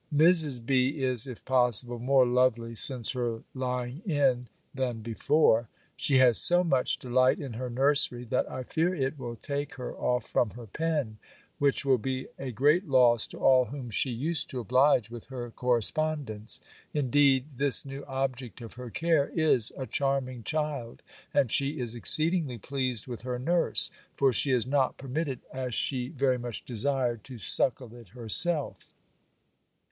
Mrs. B. is, if possible, more lovely since her lying in than before. She has so much delight in her nursery, that I fear it will take her off from her pen, which will be a great loss to all whom she used to oblige with her correspondence. Indeed this new object of her care is a charming child; and she is exceedingly pleased with her nurse; for she is not permitted, as she very much desired, to suckle it herself.